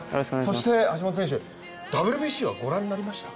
そして橋本選手、ＷＢＣはご覧になりましたか？